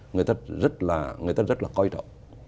người ta rất là coi trọng